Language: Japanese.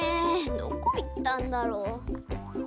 どこいったんだろう？